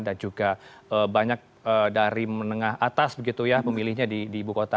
dan juga banyak dari menengah atas begitu ya pemilihnya di ibu kota